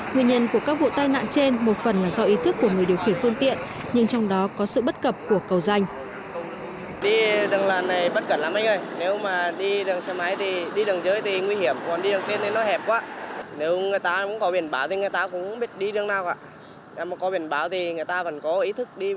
nguyên nhân của các vụ tai nạn trên một phần là do ý thức của người điều khiển phương tiện nhưng trong đó có sự bất cập của cầu dành